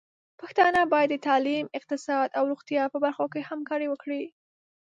پښتانه بايد د تعليم، اقتصاد او روغتيا په برخو کې همکاري وکړي.